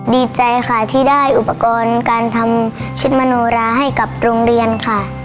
ดีใจค่ะที่ได้อุปกรณ์การทำชุดมโนราให้กับโรงเรียนค่ะ